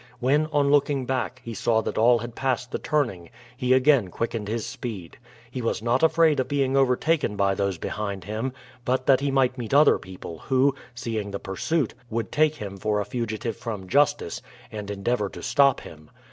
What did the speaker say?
When, on looking back, he saw that all had passed the turning, he again quickened his speed. He was not afraid of being overtaken by those behind him, but that he might meet other people who, seeing the pursuit, would take him for a fugitive from justice, and endeavor to stop him.